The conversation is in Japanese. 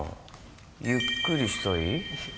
ゆっくりしたい。